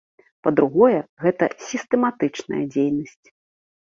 Па-другое, гэта сістэматычная дзейнасць.